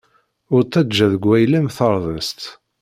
Ur ttaǧǧa deg wayla-m tardest.